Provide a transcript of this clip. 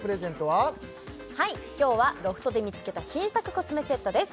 はい今日はロフトで見つけた新作コスメセットです